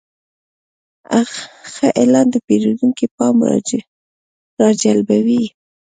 ښه اعلان د پیرودونکي پام راجلبوي.